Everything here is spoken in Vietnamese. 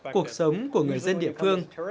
cuộc sống của người dân địa phương